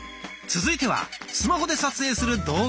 続いてはスマホで撮影する動画。